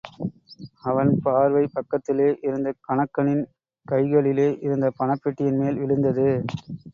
அவன் பார்வை பக்கத்திலே, இருந்த கணக்கனின் கைகளிலே இருந்த பணப் பெட்டியின் மேல் விழுந்தது.